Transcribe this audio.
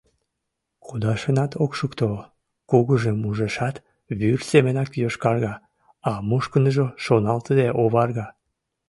Кудашынат ок шукто, кугыжым ужешат, вӱр семынак йошкарга, а мушкындыжо шоналтыде оварга.